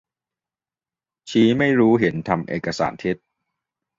ชี้ไม่รู้เห็นทำเอกสารเท็จ